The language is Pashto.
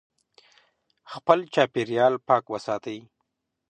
خپل چاپیریال پاک وساتئ.